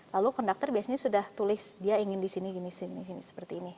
lalu konduktor biasanya sudah tulis dia ingin di sini gini sini seperti ini